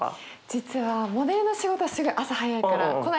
実はモデルの仕事はすごい朝早いからこないだ見れて。